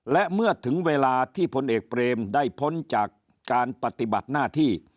และเมื่อถึงเวลาที่พลเอกเปรมได้พ้นจากการปฏิบัติหน้าที่